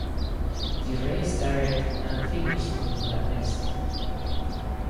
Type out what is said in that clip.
The race started and finished in Budapest.